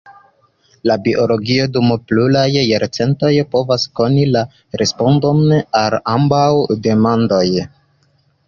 La biologio dum pluraj jarcentoj provas koni la respondon al ambaŭ demandoj.